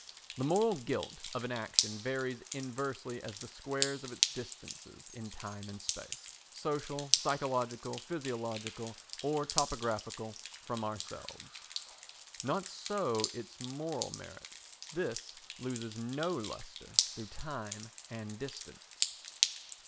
The moral guilt of an action varies inversely as the squares of its distances in time and space, social, psychological, physiological or topographical, from ourselves. Not so its moral merit: this loses no lustre through time and distance.